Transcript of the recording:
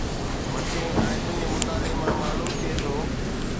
مٿين آيتن جي مطالعي مان معلوم ٿئي ٿو